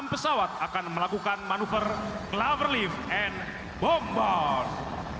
enam pesawat akan melakukan manuver clover lift and bombard